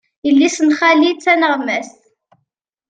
Yelli-s n xali d taneɣmast.